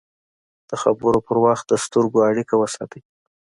د خبرو پر وخت د سترګو اړیکه وساتئ